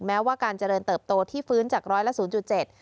แม้ว่าการเจริญเติบโตที่ฟื้นจาก๑๐๐และ๐๗